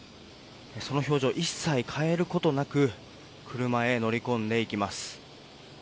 その表情、一切変えることなく車へ乗り込んでいきます。